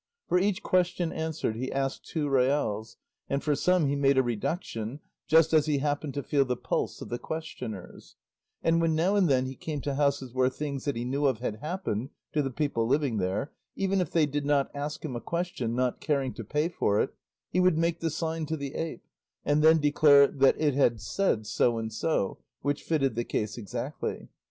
For each question answered he asked two reals, and for some he made a reduction, just as he happened to feel the pulse of the questioners; and when now and then he came to houses where things that he knew of had happened to the people living there, even if they did not ask him a question, not caring to pay for it, he would make the sign to the ape and then declare that it had said so and so, which fitted the case exactly.